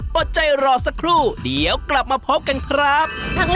อดใจรอสักครู่เดี๋ยวกลับมาพบกันครับ